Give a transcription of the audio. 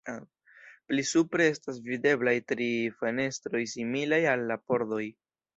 Pli supre estas videblaj tri fenestroj similaj al la pordoj.